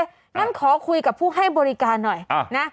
อย่างนั้นขอคุยกับผู้ให้บริการหน่อย